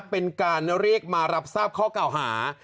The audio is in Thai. เป็นการเรียกมารับทราบข้อเก่าหา